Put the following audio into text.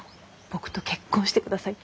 僕と結婚してください！」。